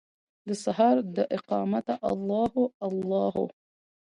دسهار داقامته الله هو، الله هو